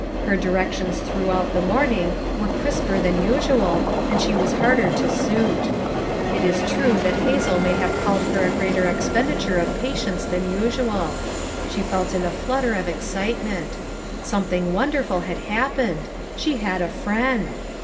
Her directions throughout the morning were crisper than usual, and she was harder to suit. It is true that Hazel may have called for a greater ex penditure of patience than usual; she felt in a flutter of excitement; something wonderful had happened: she had a friend!